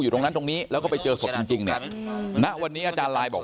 ตรงนั้นตรงนี้แล้วก็ไปเจอศพจริงเนี่ยณวันนี้อาจารย์ลายบอก